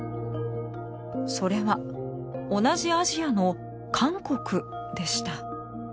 それは同じアジアの韓国でした。